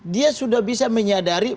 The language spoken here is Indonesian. dia sudah bisa menyadari